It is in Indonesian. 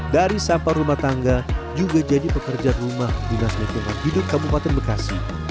dari sampah rumah tangga juga jadi pekerja rumah dinas lingkungan hidup kabupaten bekasi